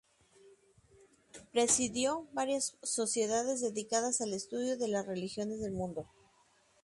Presidió varias sociedades dedicadas al estudio de las religiones del mundo.